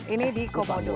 ini di komodo